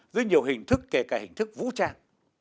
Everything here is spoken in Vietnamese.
dưới nhiều hình thức kể cả hình thức vũ trang